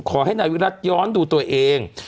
ขอให้นายวิรัติย้อนดูตัวเอง